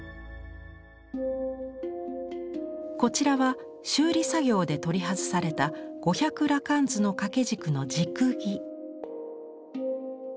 こちらは修理作業で取り外された「五百羅漢図」の掛け軸の軸木。